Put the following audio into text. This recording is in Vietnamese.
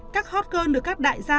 các hot girl được các đại gia